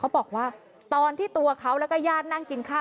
บอกว่าตอนที่ตัวเขาแล้วก็ญาตินั่งกินข้าว